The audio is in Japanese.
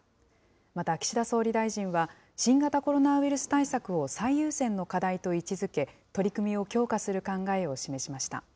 また岸田総理大臣は、新型コロナウイルス対策を最優先の課題と位置づけ、取り組みを強化する考えを示しました。